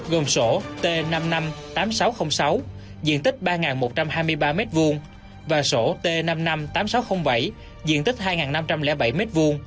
gồm sổ t năm tám nghìn sáu trăm linh sáu diện tích ba một trăm hai mươi ba m hai và sổ t năm tám nghìn sáu trăm linh bảy diện tích hai năm trăm linh bảy m hai